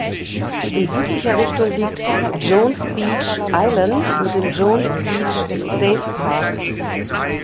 In südlicher Richtung liegt Jones Beach Island mit dem Jones Beach State Park.